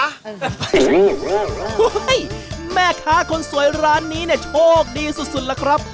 โอ้โหแม่ค้าคนสวยร้านนี้เนี่ยโชคดีสุดล่ะครับ